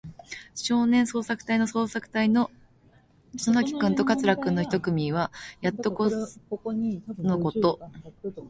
少年捜索隊そうさくたいの篠崎君と桂君の一組は、やっとのこと、インド人の自動車が通ったさびしい広っぱの近くへ、さしかかっていました。